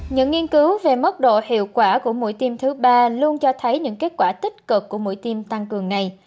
những nghiên cứu về mức độ hiệu quả của mũi tim thứ ba luôn cho thấy những kết quả tích cực của mũi tim tăng cường này